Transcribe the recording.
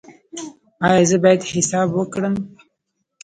ایا زه باید حساب وکړم؟